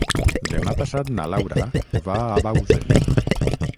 Demà passat na Laura va a Bausen.